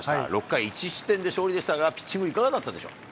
６回１失点で勝利でしたが、ピッチング、いかがだったでしょうか。